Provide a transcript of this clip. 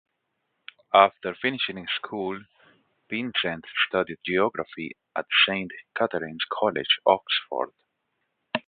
After finishing school, Pinsent studied Geography at Saint Catherine's College, Oxford.